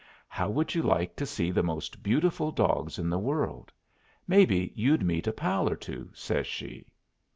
"How would you like to see the most beautiful dogs in the world? Maybe you'd meet a pal or two," says she.